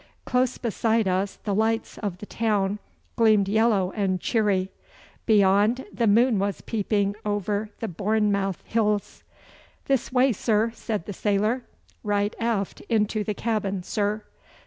Close beside us the lights of the town gleamed yellow and cheery. Beyond, the moon was peeping over the Bournemouth hills. 'This way, sir,' said the sailor, 'right aft into the cabin, sir.